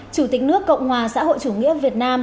chủ tịch nước cộng hòa xã hội chủ nghĩa việt nam